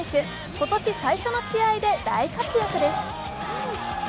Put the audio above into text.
今年最初の試合で大活躍です。